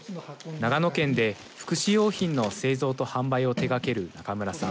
長野県で福祉用品の製造と販売を手がける中村さん。